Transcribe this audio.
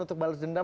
untuk balas dendam